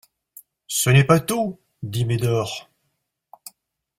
Ce n'est pas tout, dit Médor.